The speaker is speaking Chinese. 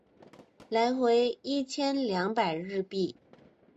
来回一千两百日币